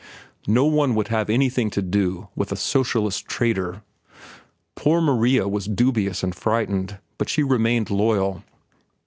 No one would have anything to do with a socialist traitor. Poor Maria was dubious and frightened, but she remained loyal.